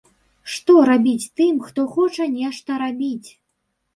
Што рабіць тым, хто хоча нешта рабіць?